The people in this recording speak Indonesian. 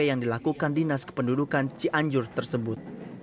yang dilakukan dinas kependudukan cianjur tersebut